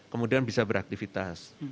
kemudian bisa beraktivitas